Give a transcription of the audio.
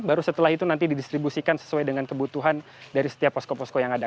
baru setelah itu nanti didistribusikan sesuai dengan kebutuhan dari setiap posko posko yang ada